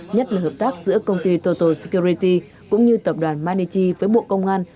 nhất là hợp tác giữa công ty total security cũng như tập đoàn manichi với bộ công an